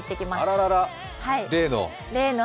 あららら、例の？